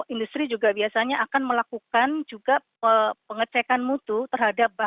industri juga biasanya akan melakukan juga pengecekan mutu terhadap